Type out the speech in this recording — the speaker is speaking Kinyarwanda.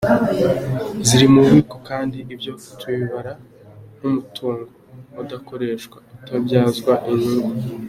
Ziri mu bubiko kandi ibyo tubibara nk’umutungo udakoreshwa, utabyazwa inyungu.